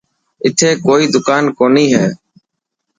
اٿي ڪوئي دڪان ڪوني هي.